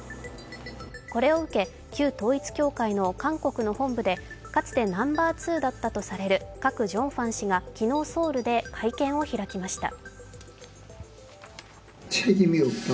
これを受け、旧統一教会の韓国の本部でかつてナンバー２だったとされるカク・ジョンファン氏が昨日ソウルで会見を開きました。